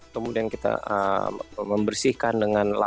kemudian kita membersihkan dengan